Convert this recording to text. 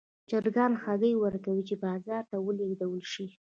چرګان هګۍ ورکوي چې بازار ته ولېږدول شي.